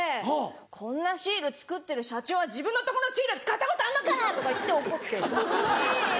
「こんなシール作ってる社長は自分のとこのシール使ったことあんのか！」とか言って怒ってる。